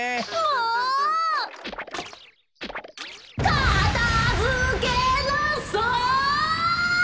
かたづけなさい！